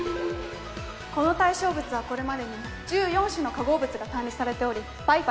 この対象物はこれまでに１４種の化合物が単離されておりπーπ